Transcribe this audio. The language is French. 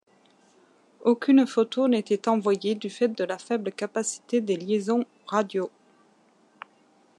Aucune photo n'était envoyée du fait de la faible capacité des liaisons radio.